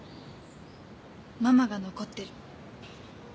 ママが残ってる。